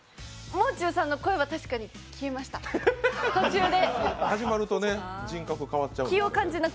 もう中さんの声は消えました、途中で。